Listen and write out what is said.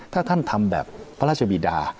ถ้าท่านทำแบบพระราชบีดา